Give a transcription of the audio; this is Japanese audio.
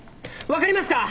分かりますか！？